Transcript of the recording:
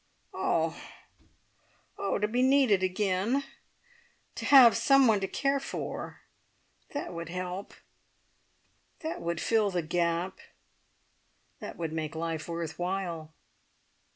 "Oh! Oh! To be needed again! To have some one to care for! That would help that would fill the gap that would make life worth while."